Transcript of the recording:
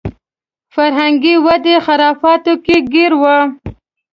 فرهنګي ودې خرافاتو کې ګیر و.